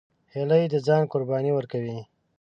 هیلۍ د ځان قرباني ورکوي